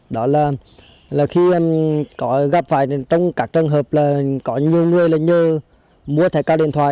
đó là khi có gặp phải trong các trường hợp là có nhiều người là như mua thẻ cao điện thoại